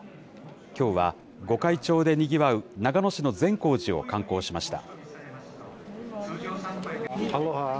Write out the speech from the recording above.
きょうは、御開帳でにぎわう、長野市の善光寺を観光しました。